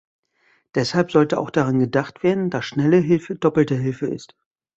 Deshalb sollte auch daran gedacht werden, dass schnelle Hilfe doppelte Hilfe ist.